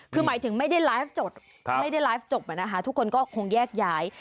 คือหมายถึงไม่ได้ไลฟ์สดไม่ได้ไลฟ์จบทุกคนก็คงแยกย้าย